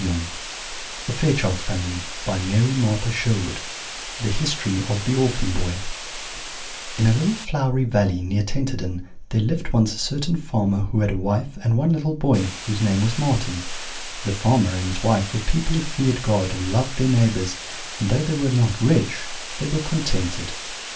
] The History of the Orphan Boy [Illustration: Marten behaved well at breakfast] "In a little flowery valley near Tenterden there lived once a certain farmer who had a wife and one little boy, whose name was Marten. The farmer and his wife were people who feared God and loved their neighbours, and though they were not rich, they were contented.